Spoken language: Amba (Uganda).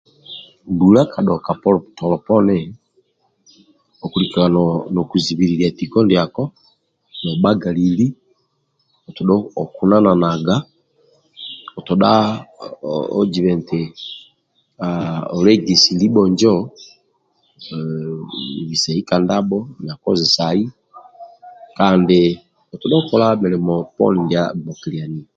Mbula ka dhoka tolo poni akulikaga nokuzibilia tiko ndiako nobhagalili otodha okunanaga otodha oziba nti olegesi libjo injo ogodhisa ka ndabho na kozesai kandi otodha okola milimo ndia agbokilianio